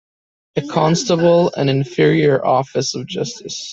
A constable an inferior officer of justice.